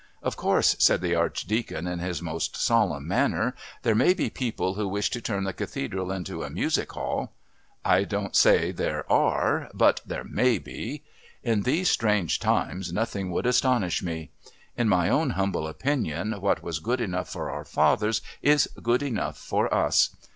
"Of course," said the Archdeacon in his most solemn manner, "there may be people who wish to turn the Cathedral into a music hall. I don't say there are, but there may be. In these strange times nothing would astonish me. In my own humble opinion what was good enough for our fathers is good enough for us.